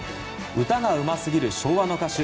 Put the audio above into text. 歌がうますぎる昭和の歌手